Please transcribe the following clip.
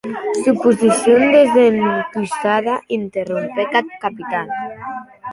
Suposicion desencusada, interrompec eth Capitan.